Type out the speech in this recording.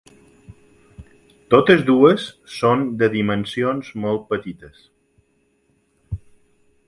Totes dues són de dimensions molt petites.